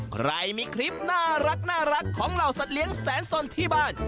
ใครมีคลิปน่ารักของเหล่าสัตว์แสนสนที่บ้าน